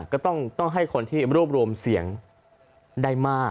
ก็ต้องให้คนที่รวบรวมเสียงได้มาก